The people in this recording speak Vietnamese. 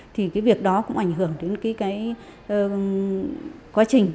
thì cái việc đó cũng ảnh hưởng đến cái quá trình